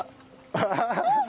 アハハハ！